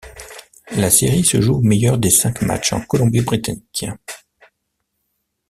La série se joue au meilleur des cinq matchs en Colombie-Britannique.